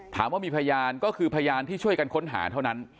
ถามว่ามีพยานก็คือพยานที่ช่วยกันค้นหาเท่านั้น